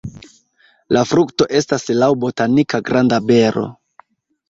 La frukto estas laŭ botaniko granda bero.